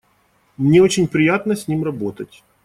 Мне очень приятно с ним работать.